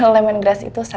lemongrass apa ya